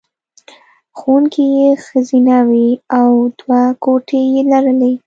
ښوونکې یې ښځینه وې او دوه کوټې یې لرلې